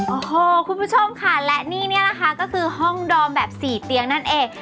โอ้โหคุณผู้ชมค่ะและนี่เนี่ยนะคะก็คือห้องดอมแบบ๔เตียงนั่นเอง